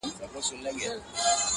• تاريخ د درد شاهد پاتې کيږي,